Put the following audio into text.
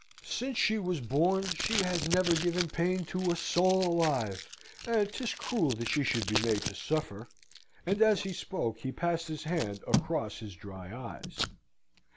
Since she was born she has never given pain to a soul alive, and 'tis cruel that she should be made to suffer." And as he spoke he passed his hand across his dry eyes.